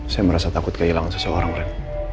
saya merasa takut kehilangan seseorang ren